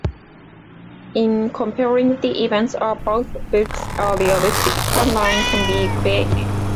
In comparing the events of both books, a realistic timeline can be created.